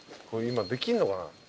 今できんのかな？